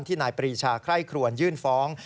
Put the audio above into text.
นายปรีชาไคร่ครวนยื่นฟ้อง